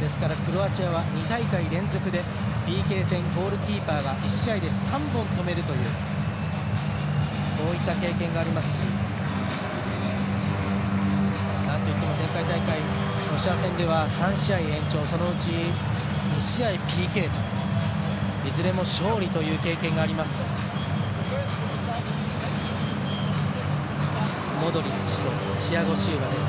ですから、クロアチアは２大会連続でＰＫ戦ゴールキーパーは１試合で３本、止めるというそういった経験がありますしなんといっても前回大会ロシア戦でも３試合延長、そのうち２試合ＰＫといういずれも勝利という経験があります。